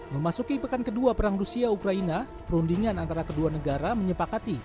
memasuki pekan kedua perang rusia ukraina perundingan antara kedua negara menyepakati